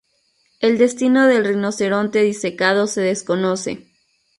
El destino del rinoceronte disecado se desconoce.